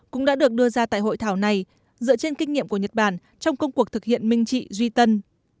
cũng đã được đưa ra tại hội thảo này dựa trên kinh nghiệm của nhật bản trong công cuộc thực hiện minh trị duy tân